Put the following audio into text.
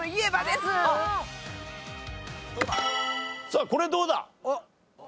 さあこれどうだ？